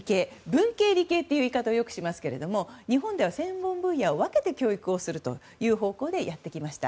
文系、理系という言い方をよくしますけれども日本では専門分野を分けて教育するという方法でやってきました。